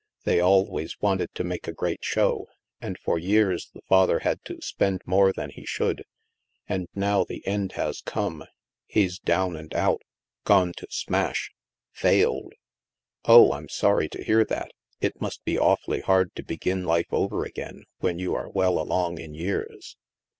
They always wanted to make a great show, and for years the father had to spend more than he should, and now the end has come. He's down and out. Gone to smash. Failed." " Oh, I'm sorry to hear that ! It must be awfully hard to begin life over again, when you are well along in years."